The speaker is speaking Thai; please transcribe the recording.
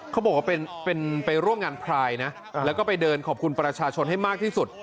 เขาบอกว่าเป็นไปร่วมงานพรายนะแล้วก็ไปเดินขอบคุณประชาชนให้มากที่สุด